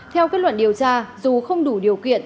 theo kết luận điều tra dù không đủ điều kiện